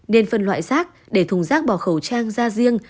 nên phân loại rác để thùng rác bỏ khẩu trang ra riêng